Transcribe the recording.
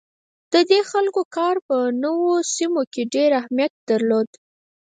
د دې خلکو کار په نوو سیمو کې ډیر اهمیت درلود.